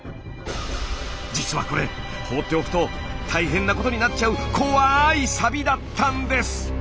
実はこれ放っておくと大変なことになっちゃう怖いサビだったんです！